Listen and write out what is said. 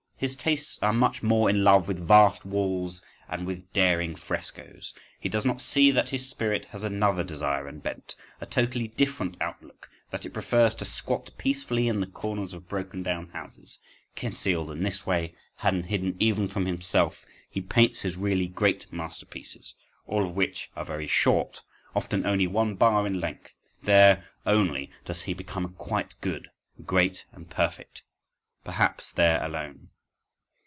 His tastes are much more in love with vast walls and with daring frescoes!… He does not see that his spirit has another desire and bent—a totally different outlook—that it prefers to squat peacefully in the corners of broken down houses: concealed in this way, and hidden even from himself, he paints his really great masterpieces, all of which are very short, often only one bar in length—there, only, does he become quite good, great and perfect, perhaps there alone.